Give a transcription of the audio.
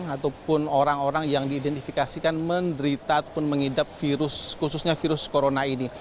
ataupun orang orang yang diidentifikasikan menderita ataupun mengidap virus khususnya virus corona ini